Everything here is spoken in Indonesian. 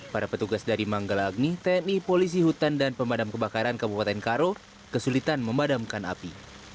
para petugas dari manggala agni tni polisi hutan dan pemadam kebakaran kabupaten karo kesulitan memadamkan api